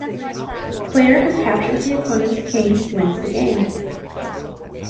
A player who captures the opponent's king wins the game.